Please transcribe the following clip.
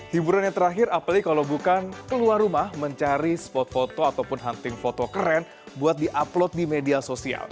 hiburan yang terakhir apalagi kalau bukan keluar rumah mencari spot foto ataupun hunting foto keren buat di upload di media sosial